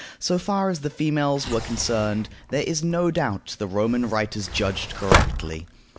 So far as the females were concerned, there is no doubt the Roman writers judged correctly.